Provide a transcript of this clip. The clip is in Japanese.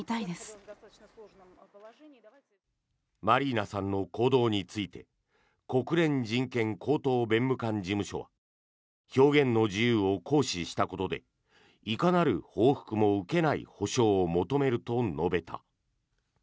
マリーナさんの行動について国連人権高等弁務官事務所は表現の自由を行使したことでいかなる報復も受けない保証を求めると述べた。